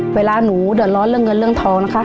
เวลาหนูเดือดร้อนเรื่องเงินเรื่องทองนะคะ